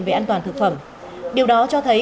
về an toàn thực phẩm điều đó cho thấy